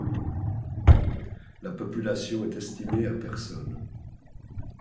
La population est estimée à personnes.